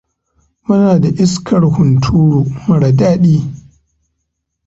Muna da iskar hunturu mara daɗi.